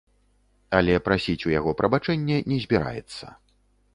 Але прасіць у яго прабачэння не збіраецца.